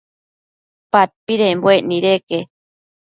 Padpidembuec nideque